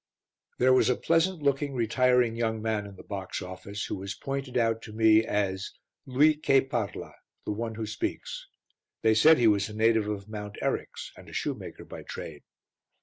There was a pleasant looking, retiring young man in the box office, who was pointed out to me as "Lui che parla" the one who speaks. They said he was a native of Mount Eryx and a shoemaker by trade.